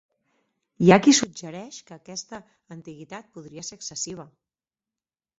Hi ha qui suggereix que aquesta antiguitat podria ser excessiva.